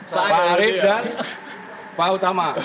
saya arief dan pak utama